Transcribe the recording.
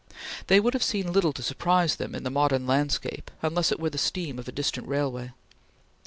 They would have seen little to surprise them in the modern landscape unless it were the steam of a distant railway.